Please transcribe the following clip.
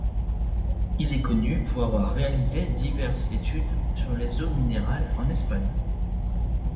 Il est connu pour avoir réalisé diverses études sur les eaux minérales en Espagne.